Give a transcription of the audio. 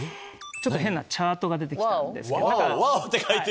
変なチャートが出てきたんですけど。